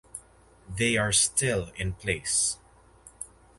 They are still in place.